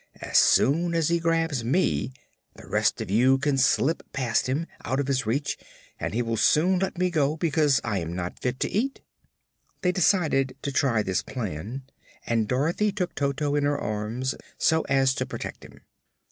As soon as he grabs me the rest of you can slip past him, out of his reach, and he will soon let me go because I am not fit to eat." They decided to try this plan and Dorothy took Toto in her arms, so as to protect him.